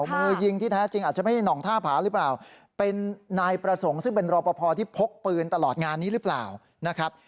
มือยิงที่แท้จริงอาจจะไม่ใช่ห่องท่าผาหรือเปล่าเป็นนายประสงค์ซึ่งเป็นรอปภที่พกปืนตลอดงานนี้หรือเปล่านะครับ